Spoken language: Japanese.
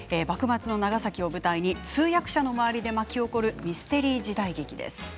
幕末の長崎を舞台に通訳者の周りで巻き起こるミステリー時代劇です。